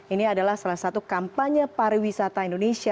ini adalah salah satu kampanye pariwisata indonesia